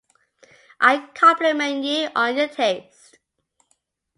I compliment you on your taste.